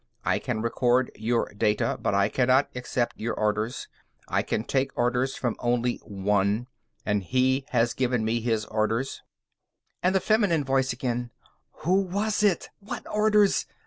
I can record your data. But I cannot accept your orders. I can take orders from only One. And he has given me his orders._ And the feminine voice again: _Who was it? What orders?